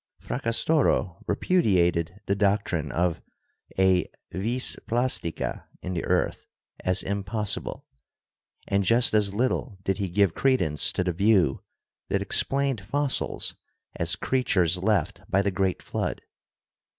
Fracastoro re pudiated the doctrine of a "vis plastica" in the earth as impossible, and just as little did he give credence to the view that explained fossils as creatures left by the great Flood.